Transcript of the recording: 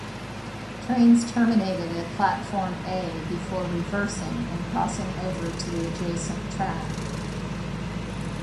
Trains terminated at Platform A before reversing and crossing over to the adjacent track.